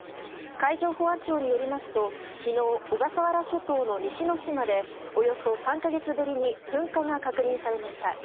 海上保安庁によりますと昨日、小笠原諸島の西之島でおよそ３か月ぶりに噴火が確認されました。